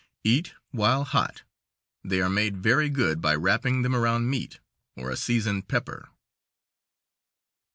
Eat while hot. They are made very good by wrapping them around meat, or a seasoned pepper.